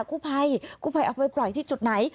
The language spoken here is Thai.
กู้ภัยกู้ภัยเอาไปปล่อยที่จุดไหน